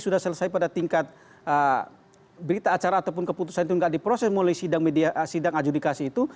sudah selesai pada tingkat berita acara ataupun keputusan itu tidak diproses melalui sidang adjudikasi itu